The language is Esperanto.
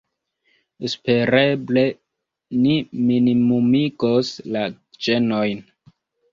Espereble ni minimumigos la ĝenojn.